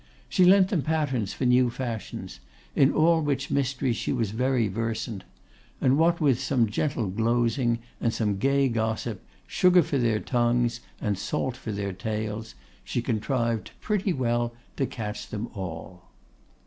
She lent them patterns for new fashions, in all which mysteries she was very versant; and what with some gentle glozing and some gay gossip, sugar for their tongues and salt for their tails, she contrived pretty well to catch them all.